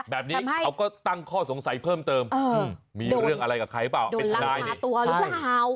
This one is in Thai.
แบบนี้เขาก็ตั้งข้อสงสัยเพิ่มเติมมีเรื่องอะไรกับใครเปล่าเป็นทนายในตัวหรือเปล่า